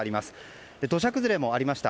土砂崩れもありました。